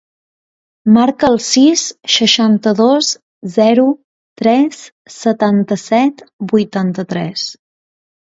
Marca el sis, seixanta-dos, zero, tres, setanta-set, vuitanta-tres.